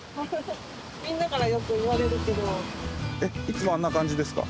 えっいつもあんな感じですか？